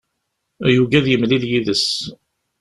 Yugi ad yemlil yid-s.